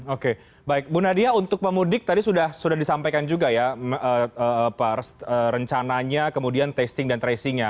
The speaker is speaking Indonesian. oke baik bu nadia untuk pemudik tadi sudah disampaikan juga ya rencananya kemudian testing dan tracingnya